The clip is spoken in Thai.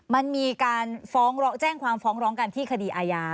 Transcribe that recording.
มันมีการฟ้องร้องแจ้งความฟ้องร้องกันที่คดีอาญา